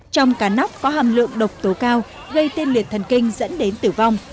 trong cả nóc có hàm lượng độc tố cao gây tên liệt thần kinh dẫn đến tử vong